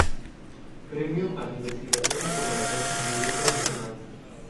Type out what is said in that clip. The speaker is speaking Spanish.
Premio al Investigador en Formación, a nivel profesional.